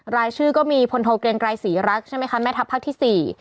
รายชื่อก็มีพลโทเกรงไกรศรีรักใช่ไหมคะแม่ทัพภาคที่๔